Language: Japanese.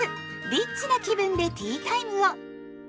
リッチな気分でティータイムを。